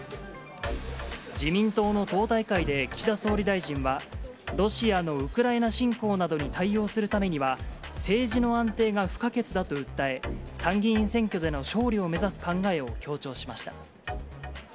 自民党の党大会で岸田総理大臣は、ロシアのウクライナ侵攻などに対応するためには、政治の安定が不可欠だと訴え、参議院選挙での勝利を目指す考えを強調しました。